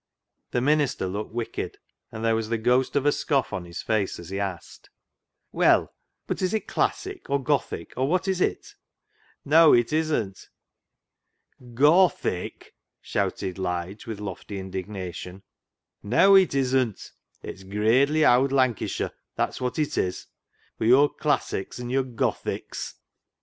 The minister looked wicked, and there was the ghost of a scoff on his face as he asked —" Well, but is it classic, or Gothic, or what is it ?"" G o t h i c," shouted Lige with lofty indig nation. " Neaw, it isn't ; it's gradely owd Lancashire, that's wot it is — wi' yo'r classics ! an' yo'r Gothics